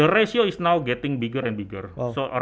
rasio sekarang semakin besar